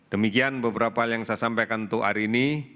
demikian beberapa yang saya sampaikan untuk hari ini